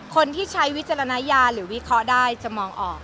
ใช้วิจารณญาหรือวิเคราะห์ได้จะมองออก